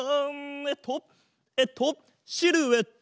えっとえっとシルエット！